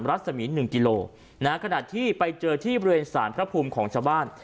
รัศมี๑กิโลนะฮะขณะที่ไปเจอที่บริเวณสารพระภูมิของชาวบ้าน